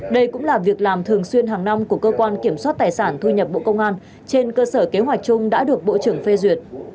đây cũng là việc làm thường xuyên hàng năm của cơ quan kiểm soát tài sản thu nhập bộ công an trên cơ sở kế hoạch chung đã được bộ trưởng phê duyệt